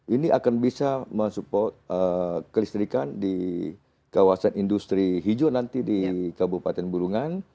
ini akan bisa mensupport kelistrikan di kawasan industri hijau nanti di kabupaten burungan